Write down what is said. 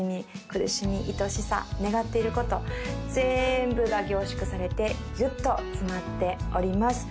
苦しみいとしさ願っていることぜんぶが凝縮されてギュッと詰まっております